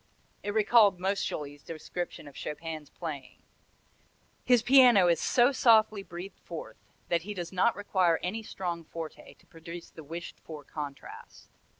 It recalled Moscheles' description of Chopin's playing: "His piano is so softly breathed forth that he does not require any strong forte to produce the wished for contrast."